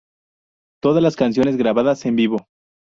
Todas las canciones grabadas en vivo.